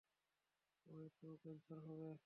ও এতেও ক্যান্সার হবে।